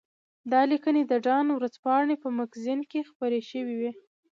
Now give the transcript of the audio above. دا لیکنې د ډان ورځپاڼې په مګزین کې خپرې شوې وې.